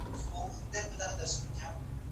ما له خپل اغا څخه د اجازې اخیستلو جرات ونه کړ.